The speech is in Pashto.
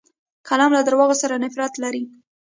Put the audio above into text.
قلم له دروغو سره نفرت لري